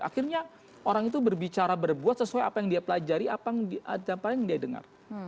akhirnya orang itu berbicara berbuat sesuai apa yang dia pelajari apa yang dia dengar